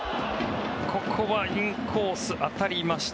ここはインコース、当たりました。